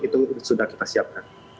itu sudah kita siapkan